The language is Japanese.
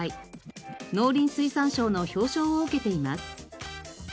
農林水産省の表彰を受けています。